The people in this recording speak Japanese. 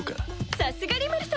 さすがリムル様！